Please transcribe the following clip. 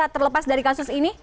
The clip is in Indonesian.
terlepas dari kasus ini